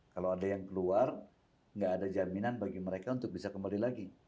kalau ada yang keluar nggak ada jaminan bagi mereka untuk bisa kembali lagi